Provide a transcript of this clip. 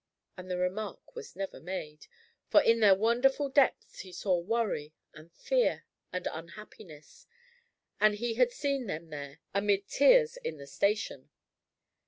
And the remark was never made. For in their wonderful depths he saw worry and fear and unhappiness, as he had seen them there amid tears in the station.